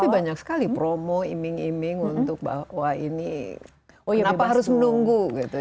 tapi banyak sekali promo iming iming untuk bahwa wah ini kenapa harus menunggu gitu